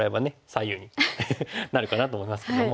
左右になるかなと思いますけども。